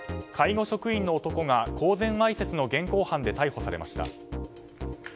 介護職員の男が公然わいせつの現行犯で逮捕されました。